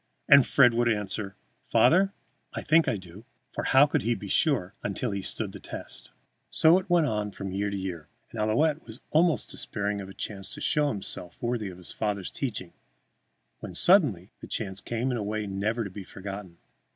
And Fred would answer: "Father, I think I do." For how could he be sure until he had stood the test? So it went on from year to year, and Ouillette was almost despairing of a chance to show himself worthy of his father's teaching, when, suddenly, the chance came in a way never to be forgotten.